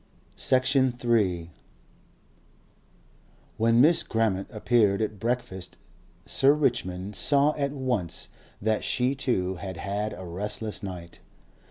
Section 3 When Miss Grammont appeared at breakfast Sir Richmond saw at once that she too had had a restless night.